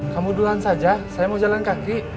kamu duluan saja saya mau jalan kaki